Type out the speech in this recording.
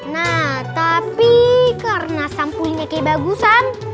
nah tapi karena sampulinnya kayak bagus sam